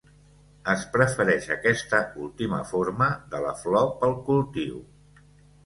Es prefereix aquesta última forma de la flor pel cultiu.